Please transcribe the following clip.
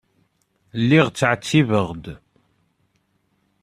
Lliɣ ttɛettibeɣ-d.